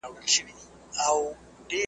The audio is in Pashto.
پوهنتون د زده کړو رسمي مرکز دی.